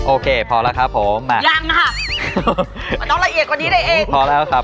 โอเคพอแล้วครับผมมายังค่ะมันต้องละเอียดกว่านี้ได้เองพอแล้วครับ